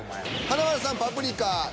華丸さんパプリカ。